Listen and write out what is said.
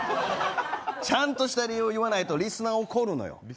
ちゃんとした理由を言わないとリスナー怒るのよ。